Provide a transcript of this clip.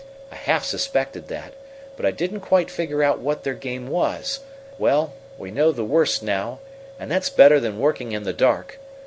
I half suspected that, but I didn't quite figure out what their game was. Well, we know the worst now, and that's better than working in the dark.